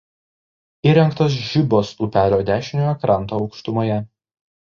Įrengtos Žibos upelio dešiniojo kranto aukštumoje.